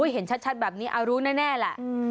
เห็นชัดแบบนี้รู้แน่แหละ